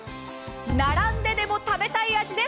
並んででも食べたい味です。